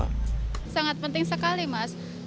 sangat penting sekali mas